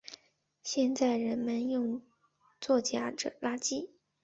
现在人们用作夹着垃圾。